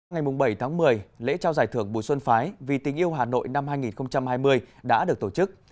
ngày bảy tháng một mươi lễ trao giải thưởng bùi xuân phái vì tình yêu hà nội năm hai nghìn hai mươi đã được tổ chức